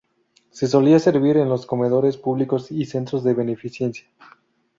Se solía servir en los comedores públicos y centros de beneficencia.